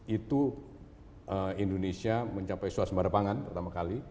itu indonesia mencapai suasembada pangan pertama kali